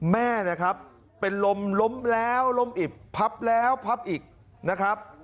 แม่นะครับเป็นลมล้มแล้วลมอิบพับแล้วพับอีกนะครับ